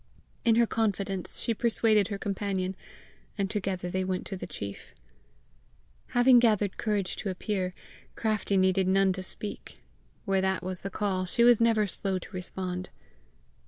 In her confidence she persuaded her companion, and together they went to the chief. Having gathered courage to appear, Craftie needed none to speak: where that was the call, she was never slow to respond.